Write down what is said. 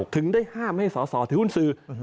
ถึงได้ห้ามให้สอสอถือหุ้นสื่อ